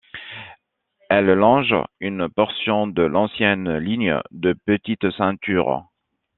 Elle longe une portion de l'ancienne ligne de Petite Ceinture.